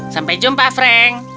sampai jumpa frank